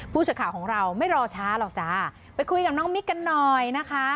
ผู้สื่อข่าวของเราไม่รอช้าหรอกจ้าไปคุยกับน้องมิ๊กกันหน่อยนะคะ